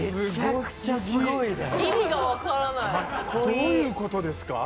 どういう事ですか？